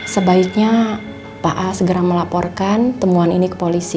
sebaiknya pak a segera melaporkan temuan ini ke polisi